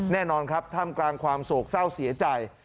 แน่นอนครับท่ามกลางความโศกเศร้าเสียใจ